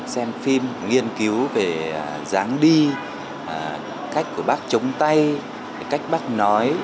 xem phim nghiên cứu về dáng đi cách của bắc chống tay cách bắc nói